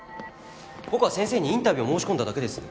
僕は先生にインタビューを申し込んだだけです。